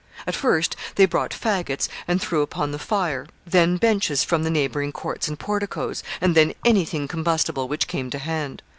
At first they brought fagots and threw upon the fire, then benches from the neighboring courts and porticoes, and then any thing combustible which came to hand.